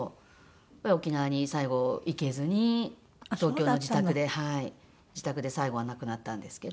沖縄に最後行けずに東京の自宅で自宅で最後は亡くなったんですけど。